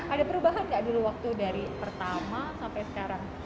ada perubahan nggak dulu waktu dari pertama sampai sekarang